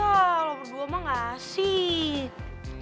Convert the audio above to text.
ya lo berdua emang asyik